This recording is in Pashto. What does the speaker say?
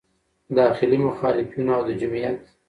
داخلي مخالفینو او د جمعیت